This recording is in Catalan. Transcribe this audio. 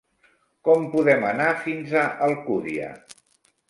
Com podem anar fins a Alcúdia?